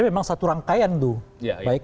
memang satu rangkaian tuh ya baik